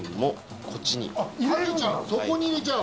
そこに入れちゃう？